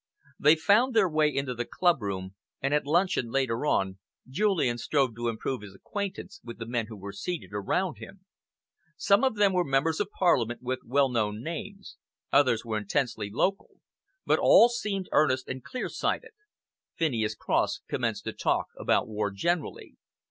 '" They found their way into the clubroom, and at luncheon, later on, Julian strove to improve his acquaintance with the men who were seated around him. Some of them were Members of Parliament with well known names, others were intensely local, but all seemed earnest and clear sighted. Phineas Cross commenced to talk about war generally.